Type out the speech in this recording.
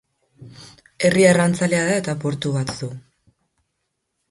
Herri arrantzalea da eta portu bat du.